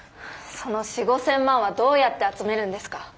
その４，０００５，０００万はどうやって集めるんですか。